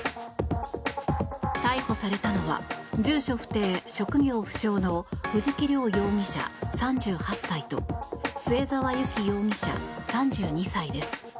逮捕されたのは住所不定・職業不詳の藤木涼容疑者、３８歳と末澤有希容疑者、３２歳です。